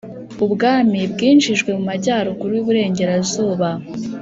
ubwami bwinjijwe mu majyaruguru y' uburengerazuba.